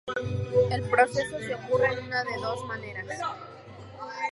El proceso se ocurre en una de dos maneras.